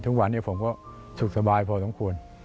ทุกวันนี้ผมก็สุขสบายพอสมควร